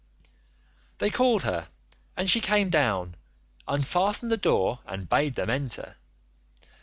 "They called her and she came down, unfastened the door, and bade them enter.